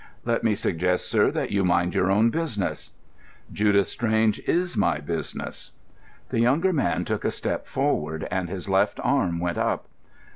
"Let me suggest, sir, that you mind your own business." "Judith Strange is my business." The younger man took a step forward, and his left arm went up.